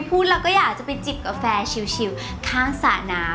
พูดแล้วก็อยากจะไปจิบกาแฟชิวข้างสระน้ำ